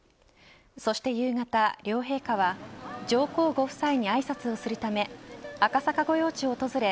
そして夕方、両陛下は上皇ご夫妻にあいさつをするため赤坂御用地を訪れ